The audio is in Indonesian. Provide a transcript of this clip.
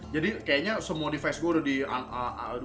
jadi kayaknya semua device gue udah di